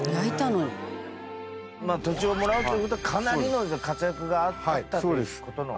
土地をもらうという事はかなりの活躍があったっていう事の。